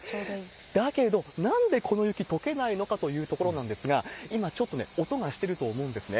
だけど、なんでこの雪、とけないのかというところなんですが、今ちょっとね、音がしてると思うんですね。